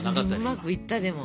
うまくいったでも。